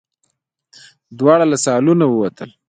دواړه له سالونه ووتل.